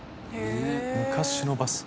昔のバス。